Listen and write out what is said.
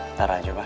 ntar aja pak